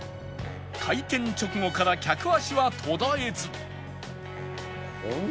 開店直後から客足は途絶えず